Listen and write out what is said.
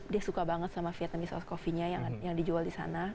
dia suka banget sama vietnamese ius coffee nya yang dijual di sana